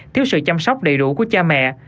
thiếu sự chăm sóc đầy đủ của cha mẹ